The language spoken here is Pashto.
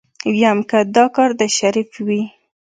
ويم که دا کار د شريف وي.